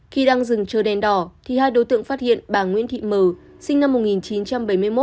khi đang dừng chờ đèn đỏ thì hai đối tượng phát hiện bà nguyễn thị mờ sinh năm một nghìn chín trăm bảy mươi một